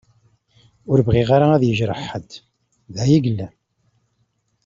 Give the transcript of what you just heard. Ur bɣiɣ ara ad yejreḥ ḥedd, d aya i yellan.